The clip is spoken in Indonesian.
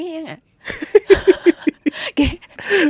kayaknya di kantor ini gak pakai masker ya